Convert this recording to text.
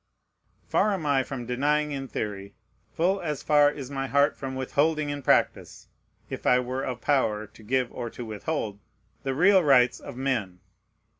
Far am I from denying in theory, full as far is my heart from withholding in practice, (if I were of power to give or to withhold,) the real rights of men.